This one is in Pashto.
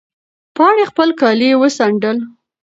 پاڼې خپل کالي وڅنډل.